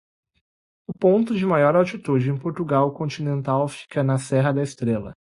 O ponto de maior altitude em Portugal Continental fica na Serra da Estrela.